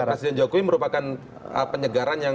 karena presiden jokowi merupakan penyegaran yang menuju ke transisi